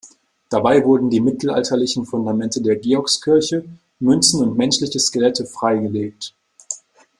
Dabei wurden die mittelalterlichen Fundamente der Georgskirche, Münzen und menschliche Skelette frei gelegt.